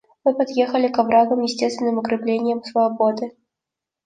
Мы подъехали к оврагам, естественным укреплениям слободы.